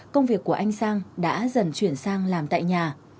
công việc của anh sang đã dần chuyển sang làm tại nhà